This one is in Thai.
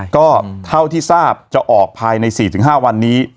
ก็เท่าที่ทราบจะออกภายในสี่ถึงห้าวันนี้